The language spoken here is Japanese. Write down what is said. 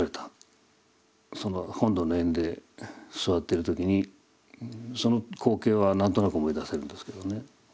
その本堂の縁で座ってる時にその光景は何となく思い出せるんですけどね。